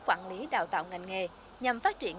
quản lý đào tạo ngành nghề nhằm phát triển